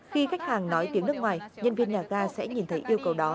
khi khách hàng nói tiếng nước ngoài nhân viên nhà ga sẽ nhìn thấy yêu cầu đó